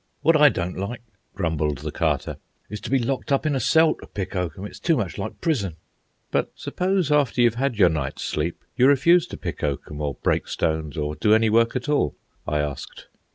"What I don't like," grumbled the Carter, "is to be locked up in a cell to pick oakum. It's too much like prison." "But suppose, after you've had your night's sleep, you refuse to pick oakum, or break stones, or do any work at all?" I asked.